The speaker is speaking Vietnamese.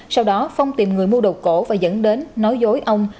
sau đó phong tìm người mua đồ cổ và dẫn đến nói dối ông